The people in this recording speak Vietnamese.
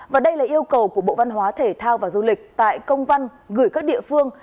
và đây là yêu cầu của bộ văn hóa thể thao và du lịch tại công văn gửi các địa phương